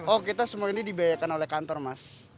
oh kita semua ini dibiayakan oleh kantor mas